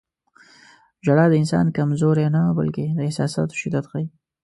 • ژړا د انسان کمزوري نه، بلکې د احساساتو شدت ښيي.